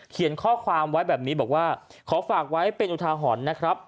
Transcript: ข้อความไว้แบบนี้บอกว่าขอฝากไว้เป็นอุทาหรณ์นะครับ